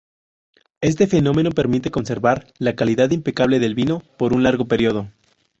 Este fenómeno permite conservar la calidad impecable del vino por un largo periodo.